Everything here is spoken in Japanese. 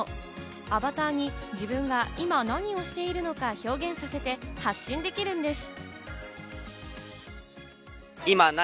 アバターに自分が今、何をしているのか表現させて発信できるんです。